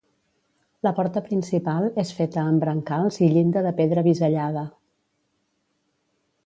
La porta principal és feta amb brancals i llinda de pedra bisellada.